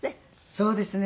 そうですね。